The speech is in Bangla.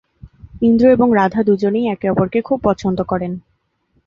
ইন্দ্র এবং রাধা দুজনেই একে অপরকে খুব পছন্দ করেন।